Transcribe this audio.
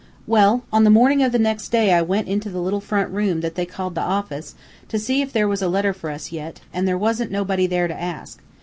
"Well, on the mornin' of the next day I went into the little front room that they called the office, to see if there was a letter for us yet, an' there wasn't nobody there to ask.